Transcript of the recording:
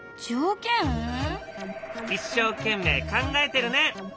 一生懸命考えてるね。